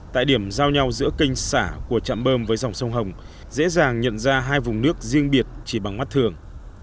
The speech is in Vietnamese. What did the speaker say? tại điểm giao nhau giữa kênh xả của trạm bơm với dòng sông hồng dễ dàng nhận ra hai vùng nước riêng biệt chỉ bằng mắt thường